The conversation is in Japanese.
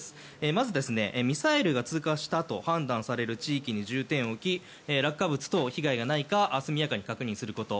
まずミサイルが通過したと判断される地域に重点を置き落下物等、被害がないか速やかに確認すること。